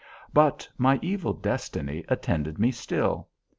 But my evil destiny attended me still.